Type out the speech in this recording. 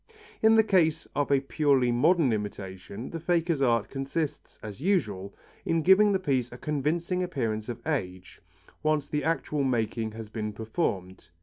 In the case of a purely modern imitation, the faker's art consists, as usual, in giving the piece a convincing appearance of age, once the actual making has been performed.